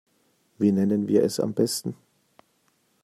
Wie nennen wir es am besten?